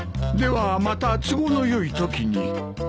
ではまた都合の良いときに。